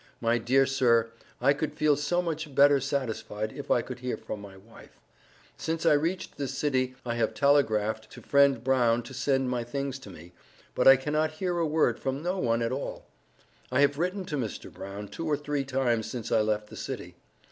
My dear sir I could feel so much better sattisfied if I could hear from my wife. Since I reached this city I have talagraphed to friend Brown to send my thing to me, but I cannot hear a word from no one at all. I have written to Mr. Brown two or three times since I left the city.